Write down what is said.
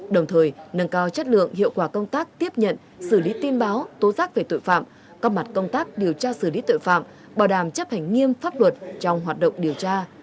đồng thời nâng cao chất lượng hiệu quả công tác tiếp nhận xử lý tin báo tố giác về tội phạm có mặt công tác điều tra xử lý tội phạm bảo đảm chấp hành nghiêm pháp luật trong hoạt động điều tra